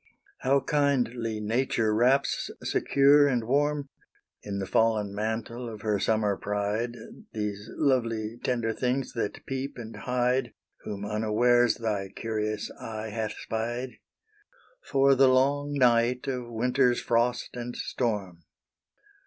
How kindly nature wraps secure and warm, In the fallen mantle of her summer pride, These lovely tender things that peep and hide, Whom unawares thy curious eye hath spied, For the long night of winter's frost and storm.